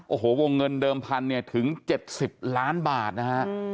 โอ้โหวงเงินเดิมพันธุเนี่ยถึง๗๐ล้านบาทนะฮะ